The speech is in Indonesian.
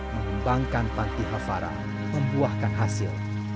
mengembangkan panti hafara membuahkan hasil